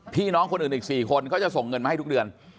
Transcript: พี่น้องคนอื่นอีก๔คนเขาจะส่งเงินมาให้ทุกเดือน